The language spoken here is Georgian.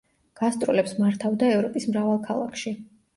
გასტროლებს მართავდა ევროპის მრავალ ქალაქში.